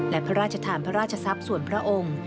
และพระราชทานพระราชทรัพย์ส่วนพระองค์